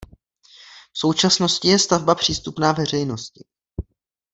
V současnosti je stavba přístupná veřejnosti.